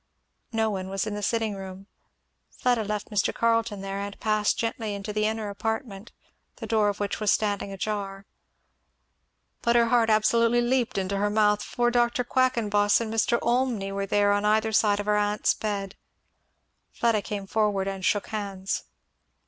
No one was in the sitting room. Fleda left Mr. Carleton there and passed gently into the inner apartment, the door of which was standing ajar. But her heart absolutely leaped into her mouth, for Dr. Quackenboss and Mr. Olmney were there on either side of her aunt's bed. Fleda came forward and shook hands.